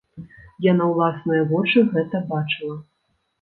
Я на ўласныя вочы гэта бачыла.